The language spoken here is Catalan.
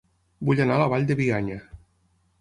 Vull anar a La Vall de Bianya